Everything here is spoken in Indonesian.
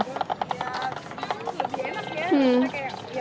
ya lebih enak ya